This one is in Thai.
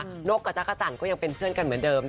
นกกับจักรจันทร์ก็ยังเป็นเพื่อนกันเหมือนเดิม